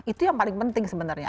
itu yang paling penting sebenarnya